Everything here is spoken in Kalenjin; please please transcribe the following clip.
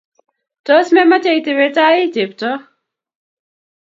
Tos memache itebe tai ii Chetoo?